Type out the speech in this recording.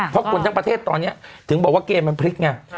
เพราะคนทั้งประเทศตอนนี้ถึงบอกว่าเกมมันพลิกไง